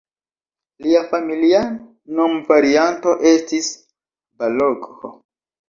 Lia familia nomvarianto estis "Balogh".